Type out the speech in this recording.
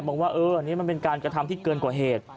บอกว่าเอออันนี้มันเป็นการกระทำที่เกินกว่าเหตุ